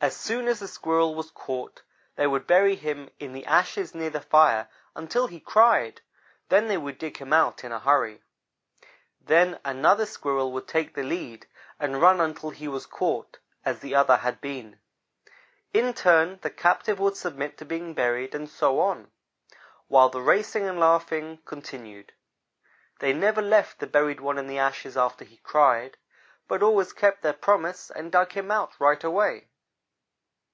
As soon as the Squirrel was caught, they would bury him in the ashes near the fire until he cried; then they would dig him out in a hurry. Then another Squirrel would take the lead and run until he was caught, as the other had been. In turn the captive would submit to being buried, and so on while the racing and laughing continued. They never left the buried one in the ashes after he cried, but always kept their promise and dug him out, right away.